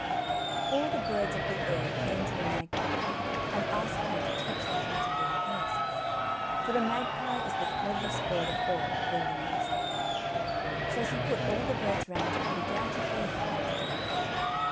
All the birds of the air came to the magpie and asked her to teach them how to build nests. For the magpie is the cleverest bird of all at building nests. So she put all the birds round her and began to show them how to do it.